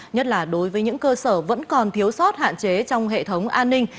nhất là đối với những cơ sở vẫn còn thiếu sót hạn chế trong hệ thống an ninh